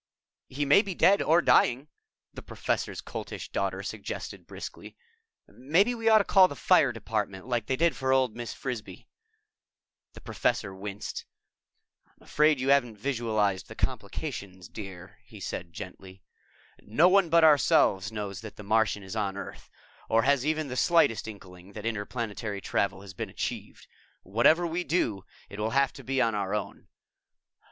_" "He may be dead or dying," the Professor's Coltish Daughter suggested briskly. "Maybe we ought to call the Fire Department, like they did for old Mrs. Frisbee." The Professor winced. "I'm afraid you haven't visualized the complications, dear," he said gently. "No one but ourselves knows that the Martian is on Earth, or has even the slightest inkling that interplanetary travel has been achieved. Whatever we do, it will have to be on our own.